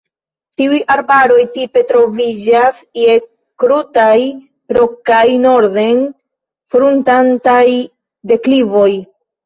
Tiuj arbaroj tipe troviĝas je krutaj, rokaj norden-fruntantaj deklivoj.